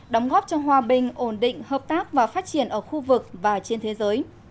đóng góp cho hòa bình ổn định hợp tác và phát triển ở khu vực và trên thế giới